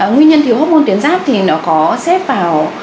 nguyên nhân thiếu hormôn tuyến giáp thì nó có xếp vào